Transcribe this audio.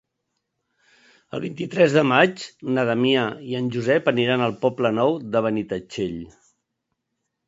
El vint-i-tres de maig na Damià i en Josep aniran al Poble Nou de Benitatxell.